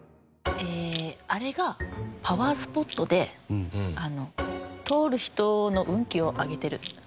あれがパワースポットで通る人の運気を上げてる。